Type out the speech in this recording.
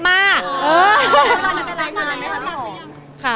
ตอนนี้ก็รักมากแล้วค่ะ